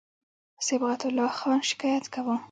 صبغت الله خان شکایت کاوه.